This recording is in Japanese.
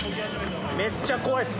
めっちゃ怖いっすこれ。